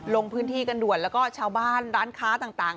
ลงพื้นที่กันด่วนแล้วก็ชาวบ้านร้านค้าต่าง